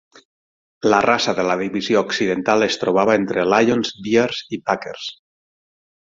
La raça de la divisió occidental es trobava entre Lions, Bears i Packers.